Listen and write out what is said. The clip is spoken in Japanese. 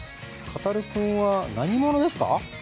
カタルくんは何者ですか？